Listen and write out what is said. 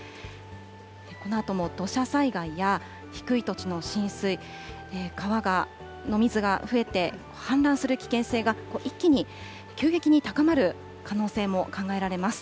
このあとも土砂災害や低い土地の浸水、川の水が増えて氾濫する危険性が一気に、急激に高まる可能性も考えられます。